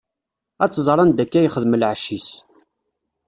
Ad-tẓer anda akka yexdem lɛecc-is.